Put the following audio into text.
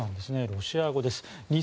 ロシア語です。